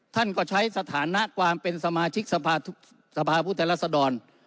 ท่านก็ใช้สถานะความเป็นสมาชิกสภาพุทธรัศดร